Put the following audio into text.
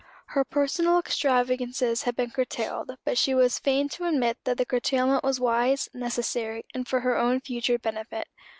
Her personal extravagances had been curtailed; but she was fain to admit that the curtailment was wise, necessary, and for her own future benefit.